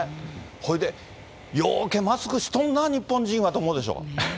それで、ようけマスクしとんな、日本人はと思うでしょ。